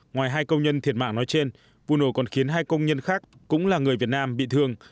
ngoài hai công nhân thiệt mạng nói trên vụ nổ còn khiến hai công nhân khác cũng là người việt nam bị thương